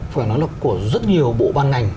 phải nói là của rất nhiều bộ ban ngành